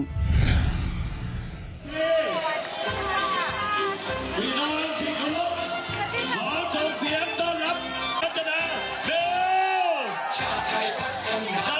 ชาติไทยพักจังหาสิ่งที่พักชาติเป็นเมื่อไหร่